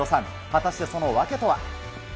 果たしてその訳とは。